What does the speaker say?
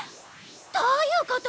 どういうこと！？